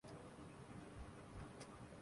اللہ ان کی مدد کرے